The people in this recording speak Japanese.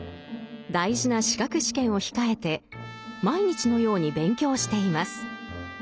大事な資格試験を控えて毎日のように勉強しています。